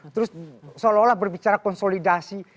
terus seolah olah berbicara konsolidasi